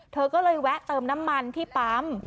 เธอก็เลยแวะเติมน้ำมันที่ปั๊ม